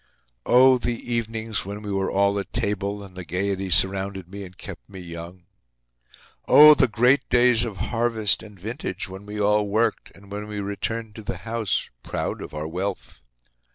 Oh! the evenings when we were all at table, and the gaiety surrounded me and kept me young. Oh! the great days of harvest and vintage when we all worked, and when we returned to the house proud of our wealth!